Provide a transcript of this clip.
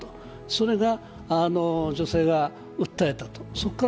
それが女性が訴えたと、そこから＃